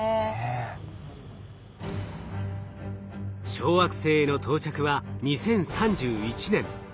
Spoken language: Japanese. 小惑星への到着は２０３１年。